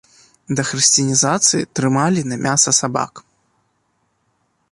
Да хрысціянізацыі трымалі на мяса сабак.